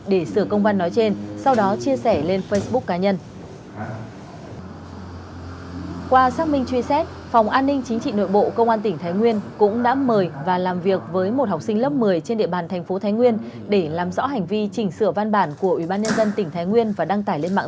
để sửa công văn nói trên sau đó chia sẻ lên facebook cá nhân